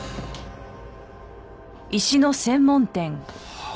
はあ。